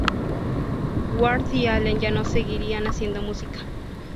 Ward y Allen ya no seguirían haciendo música.